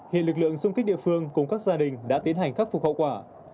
hiện lực lượng xung kích địa phương cùng các gia đình đã tiến hành khắc phục hậu quả